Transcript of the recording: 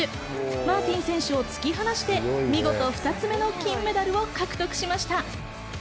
マーティン選手を突き放して、見事２つ目の金メダルを獲得しました。